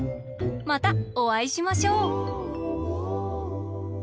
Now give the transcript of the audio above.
またおあいしましょう！